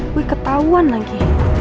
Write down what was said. gue ketahuan lagi